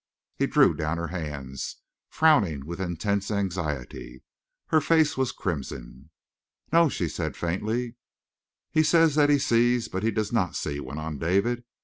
He drew down her hands, frowning with intense anxiety. Her face was crimson. "No," she said faintly. "He says that he sees, but he does not see," went on David.